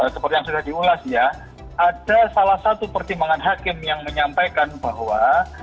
seperti yang sudah diulas ya ada salah satu pertimbangan hakim yang menyampaikan bahwa